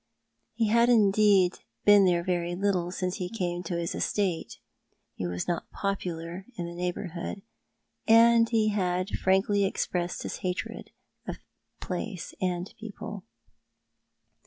He had indeed been there very little since he came into his estate. He was not popular in the neighbourhood ; and he had frankly expressed his hatred of place and people.